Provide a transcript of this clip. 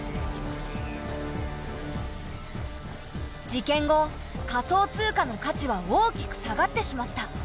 事件後仮想通貨の価値は大きく下がってしまった。